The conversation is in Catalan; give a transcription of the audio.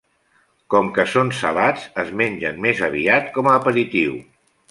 Com que són salats es mengen més aviat com a aperitiu.